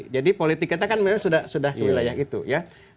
jadi politik kita kan memang sudah ke wilayah itu ya